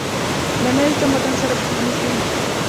له نوي تمدن سره دښمني کوي.